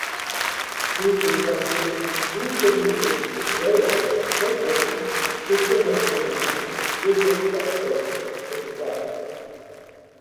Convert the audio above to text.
vínculos ativos, intermitentes, zero hora, tampouco, chefia masculina, desocupação, ocupados